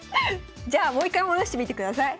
じゃあもう一回戻してみてください。